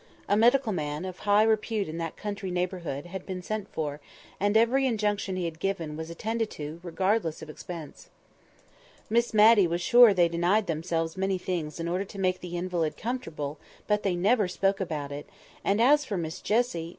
A medical man, of high repute in that country neighbourhood, had been sent for, and every injunction he had given was attended to, regardless of expense. Miss Matty was sure they denied themselves many things in order to make the invalid comfortable; but they never spoke about it; and as for Miss Jessie!